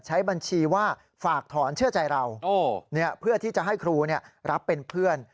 ใช้บัญชีว่าฝากถอนเชื่อใจเราเพื่อที่จะให้ครูรับเป็นเพื่อน